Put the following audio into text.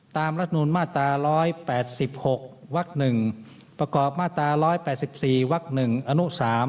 ตามรัฐนุนมาตร๑๘๖วัก๑ประกอบ๑๘๔วัก๑อนุ๓